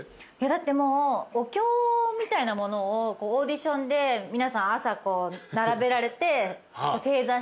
だってもうお経みたいなものをオーディションで皆さん朝並べられて。